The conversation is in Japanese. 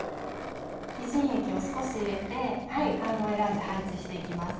レジン液を少し入れてパールを選んで配置していきます。